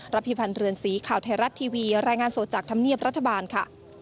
พิพันธ์เรือนสีข่าวไทยรัฐทีวีรายงานสดจากธรรมเนียบรัฐบาลค่ะ